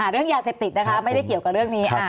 เรื่องยาเสพติดนะคะไม่ได้เกี่ยวกับเรื่องนี้